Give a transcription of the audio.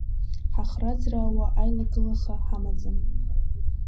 Ҳахраа-ӡраауа аилагылаха ҳамаӡам.